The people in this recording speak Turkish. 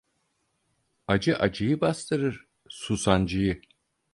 Acı acıyı bastırır, su sancıyı.